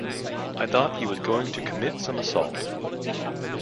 I thought he was going to commit some assault.